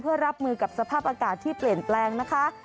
เพื่อรับมือกับสภาพอากาศที่เปลี่ยนแปลงนะคะ